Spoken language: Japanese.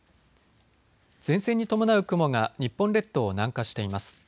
前線に伴う雲が日本列島を南下しています。